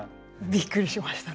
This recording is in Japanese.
びっくりしましたね。